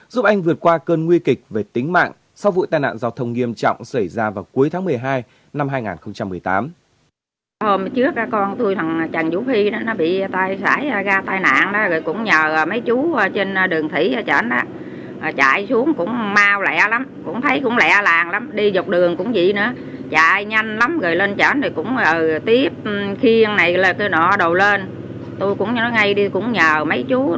giúp anh vượt qua cơn nguy kịch về tính mạng sau vụ tai nạn giao thông nghiêm trọng xảy ra vào cuối tháng một mươi hai năm hai nghìn một mươi tám